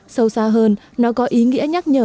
sâu xa hơn nó có ý nghĩa nhắc nhở